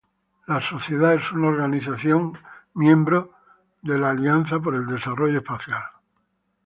La Sociedad es una organización que es miembro de la Alliance for Space Development.